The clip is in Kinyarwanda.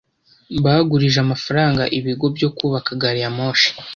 Bagurije amafaranga ibigo byo kubaka gari ya moshi.